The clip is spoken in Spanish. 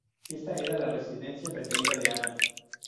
Esta era la residencia preferida de Ana.